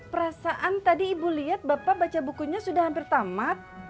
perasaan tadi ibu lihat bapak baca bukunya sudah hampir tamat